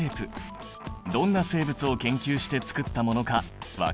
どんな生物を研究してつくったものか分かるかな？